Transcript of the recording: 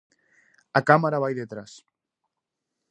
A cámara vai detrás.